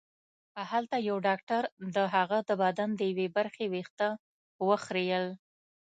هلته یو ډاکټر د هغه د بدن د یوې برخې وېښته وخریل